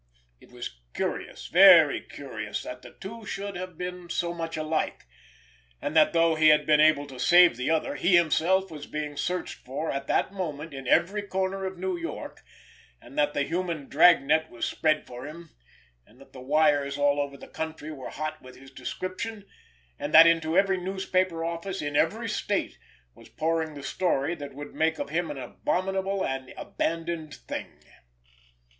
It was curious, very curious, that the two should have been so much alike, and that though he had been able to save the other, he himself was being searched for at that moment in every corner of New York, and that the human drag net was spread for him, and that the wires all over the country were hot with his description, and that into every newspaper office in every state was pouring the story that would make of him an abominable and an abandoned thing!